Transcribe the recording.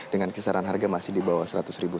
dengan kisaran harga masih di bawah seratus ribu